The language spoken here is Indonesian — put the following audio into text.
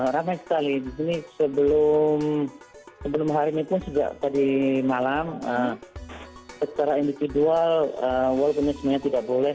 ramai sekali di sini sebelum hari ini pun sejak tadi malam secara individual walaupun ini sebenarnya tidak boleh